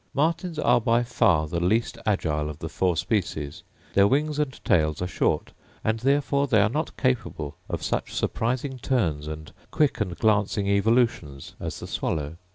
Martins are by far the least agile of the four species; their wings and tails are short, and therefore they are not capable of such surprising turns and quick and glancing evolutions as the swallow.